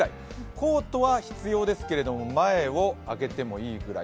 コートは必要ですけども前を開けてもいいぐらい。